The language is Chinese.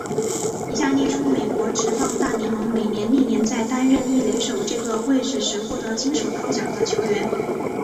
以下列出美国职棒大联盟美联历年在担任一垒手这个位置时获得金手套奖的球员。